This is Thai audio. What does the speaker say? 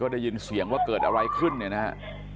ได้ยินเสียงว่าเกิดอะไรขึ้นเนี่ยนะฮะ